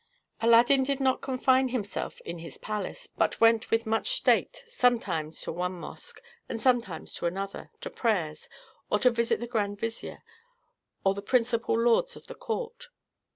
Aladdin did not confine himself in his palace, but went with much state, sometimes to one mosque, and sometimes to another, to prayers, or to visit the grand vizier, or the principal lords of the court.